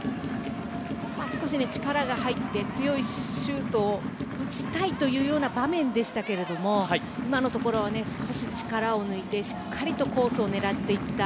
少し力が入って強いシュートを打ちたい場面でしたけども、今のところは少し力を抜いてしっかりとコースを狙っていった